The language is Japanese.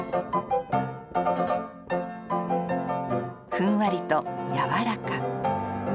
ふんわりとやわらか。